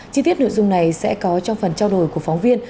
chi tiết nội dung này sẽ có trong phần trao đổi của phóng viên